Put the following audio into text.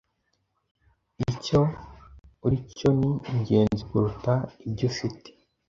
Icyo uri cyo ni ingenzi kuruta ibyo ufite.